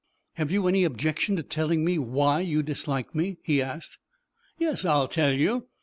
"Have you any objection to telling me why you dislike me?" he asked. "Yes, I'll tell you.